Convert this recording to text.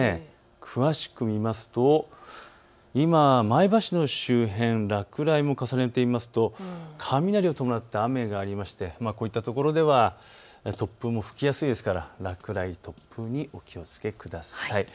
詳しく見ますと今、前橋の周辺、落雷も重ねてみますと雷を伴った雨がありまして、こういった所では突風も吹きやすいですから落雷、突風にお気をつけください。